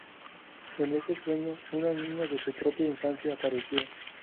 En ese sueño, una niña de su propia infancia apareció.